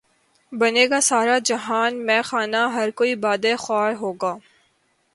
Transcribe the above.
بنے گا سارا جہان مے خانہ ہر کوئی بادہ خوار ہوگا